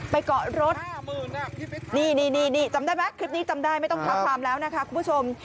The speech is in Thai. เกาะรถนี่นี่จำได้ไหมคลิปนี้จำได้ไม่ต้องเท้าความแล้วนะคะคุณผู้ชม